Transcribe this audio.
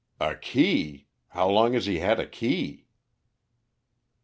"A key! How long has he had a key?"